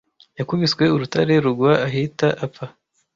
Yakubiswe urutare rugwa ahita apfa.